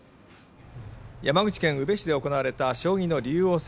山口県宇部市で行われた将棋の竜王戦